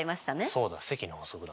そうだ積の法則だ。